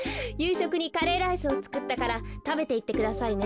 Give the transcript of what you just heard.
しょくにカレーライスをつくったからたべていってくださいね。